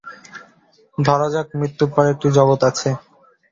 ধরা যাক মৃত্যুর পরে একটি জগৎ আছে।